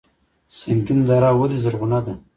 سنګین دره ولې زرغونه ده؟